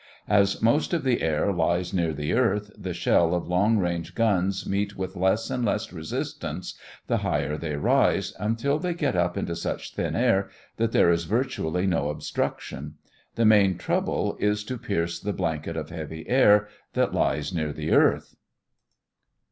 As most of the air lies near the earth, the shell of long range guns meet with less and less resistance the higher they rise, until they get up into such thin air that there is virtually no obstruction. The main trouble is to pierce the blanket of heavy air that lies near the earth.